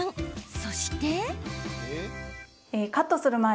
そして。